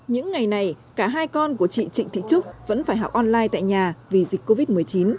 những ngày này cả hai con của chị trịnh thị trúc vẫn phải học online tại nhà vì dịch covid một mươi chín